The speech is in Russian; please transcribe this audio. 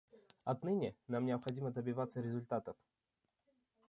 Отныне нам необходимо добиваться результатов.